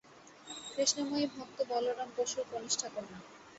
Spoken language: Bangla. কৃষ্ণময়ী ভক্ত বলরাম বসুর কনিষ্ঠা কন্যা।